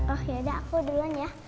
oh yaudah aku duluan ya